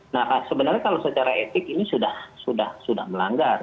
nah sebenarnya kalau secara etik ini sudah melanggar